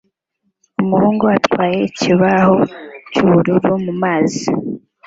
Umuhungu atwaye ikibaho cyubururu mumazi